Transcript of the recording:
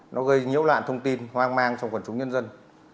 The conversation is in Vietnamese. nó gây nhiễu loạn thông tin hoang mang trong quần chúng nhân dân